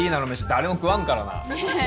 誰も食わんからなねえ